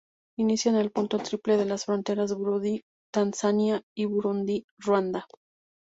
Inicia en el punto triple de las fronteras Burundi-Tanzania y Burundi-Ruanda.